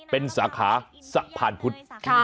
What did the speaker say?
เป็นสาขาสะพานพุทธ